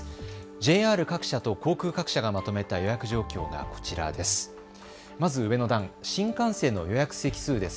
ＪＲ各社と航空各社がまとめた予約状況がこちらです。